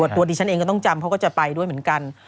ตัวดิฉันเองก็ต้องจำเขาก็จะไปด้วยเหมือนกัน